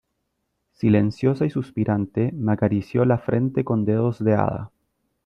silenciosa y suspirante me acarició la frente con dedos de hada :